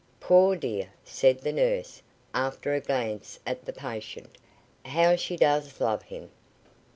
"Poor dear!" said the nurse, after a glance at the patient, "how she does love him!